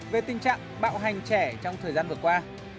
về tình trạng bạo hành trẻ trong thời gian vừa qua